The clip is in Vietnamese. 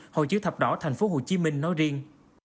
hội chữ thập đỏ tp hcm nói riêng